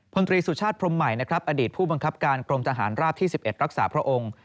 พลตรีสุชาติพรมใหม่นะครับอดีตผู้บังคับการกรมทหารราบที่๑๑รักษาพระองค์